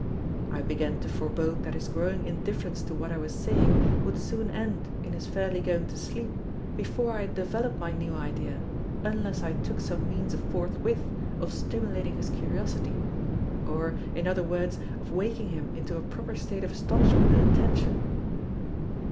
I began to forbode that his growing indifference to what I was saying would soon end in his fairly going to sleep before I had developed my new idea, unless I took some means forthwith of stimulating his curiosity, or, in other words, of waking him into a proper state of astonishment and attention.